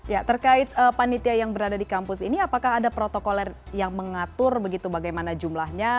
ya terkait panitia yang berada di kampus ini apakah ada protokol yang mengatur begitu bagaimana jumlahnya